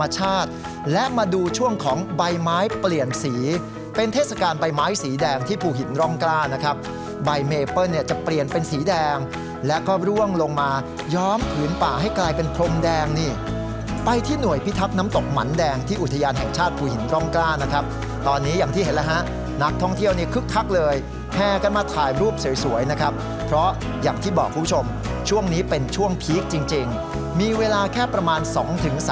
ช่วงของใบไม้เปลี่ยนสีเป็นเทศกาลใบไม้สีแดงที่ภูหินร่องกล้านะครับใบเมเปอร์เนี่ยจะเปลี่ยนเป็นสีแดงแล้วก็ร่วงลงมาย้อมผืนป่าให้กลายเป็นพรมแดงนี่ไปที่หน่วยพิทัพน้ำตกหมันแดงที่อุทยานแห่งชาติภูหินร่องกล้านะครับตอนนี้อย่างที่เห็นแล้วฮะนักท่องเที่ยวเนี่ยคึกทักเลยแพ้กันมาถ่